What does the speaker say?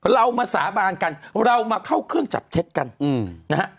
เรามาสาบานกันเรามาเข้าเครื่องจับเท็จกันนะฮะ